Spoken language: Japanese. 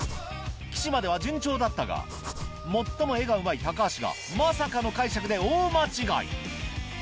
岸までは順調だったが最も絵がうまい橋がまさかの解釈で大間違い